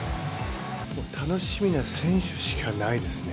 楽しみな選手しかないですね。